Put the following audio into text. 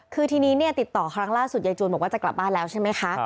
คือทีนี้เนี่ยติดต่อครั้งล่าสุดยายจวนบอกว่าจะกลับบ้านแล้วใช่ไหมคะ